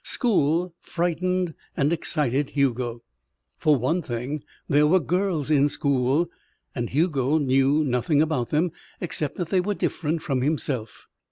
School frightened and excited Hugo. For one thing, there were girls in school and Hugo knew nothing about them except that they were different from himself.